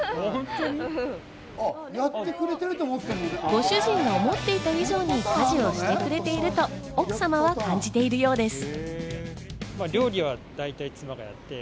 ご主人が思っていた以上に家事をしてくれていると奥様は感じているようです。